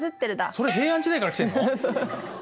それ平安時代から来てるの？